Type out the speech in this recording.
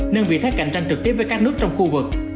nên vị thách cạnh tranh trực tiếp với các nước trong khu vực